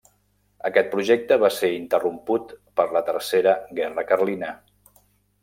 Aquest projecte va ser interromput per la Tercera Guerra Carlina.